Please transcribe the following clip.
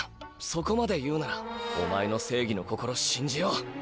そこまで言うならお前のせいぎの心しんじよう。